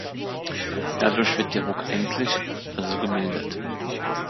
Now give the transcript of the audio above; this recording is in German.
Dadurch wird der Ruck endlich, also gemildert.